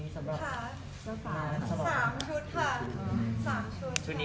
สองชุดค่ะ